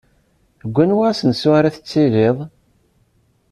Deg anwa asensu ara tittiliḍ?